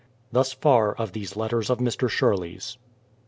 ... Thus far of these letters of Mr. Sherley's.